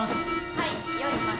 ・はい用意します。